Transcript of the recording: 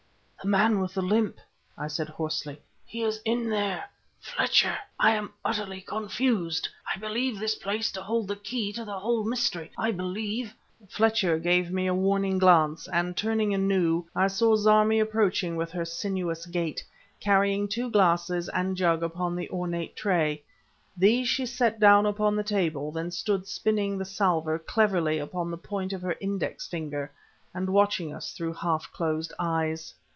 "The man with the limp!" I said hoarsely; "he is in there! Fletcher! I am utterly confused. I believe this place to hold the key to the whole mystery, I believe ..." Fletcher gave me a warning glance and, turning anew, I saw Zarmi approaching with her sinuous gait, carrying two glasses and jug upon the ornate tray. These she set down upon the table; then stood spinning the salver cleverly upon the point of her index finger and watching us through half closed eyes.